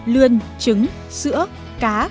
lươn trứng sữa cá